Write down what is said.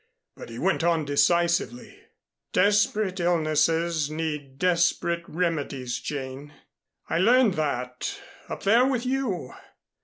But he went on decisively, "Desperate illnesses need desperate remedies, Jane. I learned that up there with you.